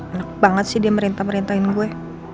enak banget sih dia merintah merintahin gue